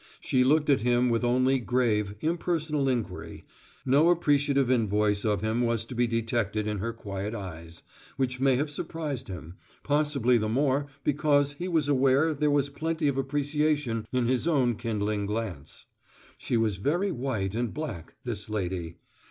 She looked at him with only grave, impersonal inquiry; no appreciative invoice of him was to be detected in her quiet eyes, which may have surprised him, possibly the more because he was aware there was plenty of appreciation in his own kindling glance. She was very white and black, this lady.